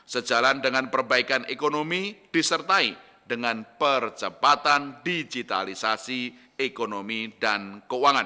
sejalan dengan perbaikan ekonomi disertai dengan percepatan digitalisasi ekonomi dan keuangan